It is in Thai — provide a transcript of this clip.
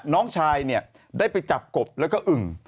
น้องชายเนี่ยได้ไปจับกบแล้วก็อึ่ง